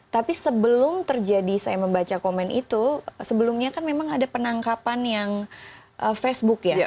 tapi sebelum terjadi saya membaca komen itu sebelumnya kan memang ada penangkapan yang facebook ya